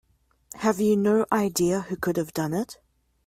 Have you no idea who could have done it?